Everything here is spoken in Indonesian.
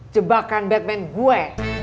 jebakan batman gue